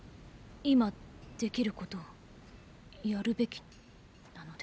今できることをやるべきなので。